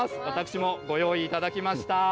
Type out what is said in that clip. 私もご用意いただきました。